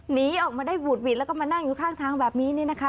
หนีออกมาได้หวุดหวิดแล้วก็มานั่งอยู่ข้างทางแบบนี้นี่นะคะ